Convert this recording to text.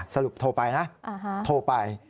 สรุปโทรไปนะโทรไป